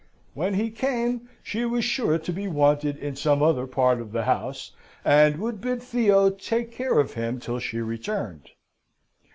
When he came, she was sure to be wanted in some other part of the house, and would bid Theo take care of him till she returned.